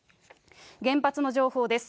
原発の情報です。